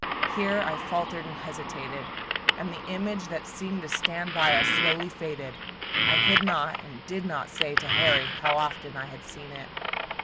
Here I faltered and hesitated, and the image that seemed to stand by us slowly faded. I could not and did not say to Harry how often I had seen it.